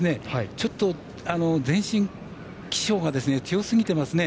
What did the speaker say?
ちょっと前進気性が強すぎてますね。